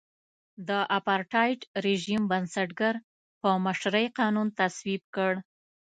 د اپارټایډ رژیم بنسټګر په مشرۍ قانون تصویب کړ.